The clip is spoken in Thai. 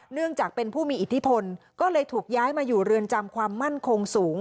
เนื่องจากเป็นผู้มีอิทธิพลก็เลยถูกย้ายมาอยู่เรือนจำความมั่นคงสูง